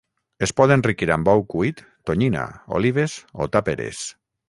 Es pot enriquir amb ou cuit, tonyina, olives o tàperes.